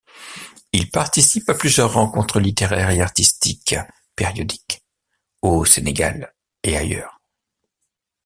Il participe à plusieurs rencontres littéraires et artistiques périodiques au Sénégal et ailleurs.